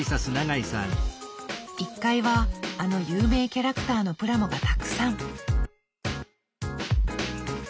１階はあの有名キャラクターのプラモがたくさん！